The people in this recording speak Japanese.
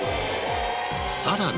さらに。